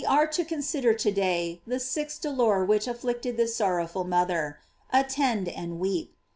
are to consider to day the sixth dolor which afflicted this sorrowful mother. Attend and weep.